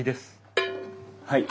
はい。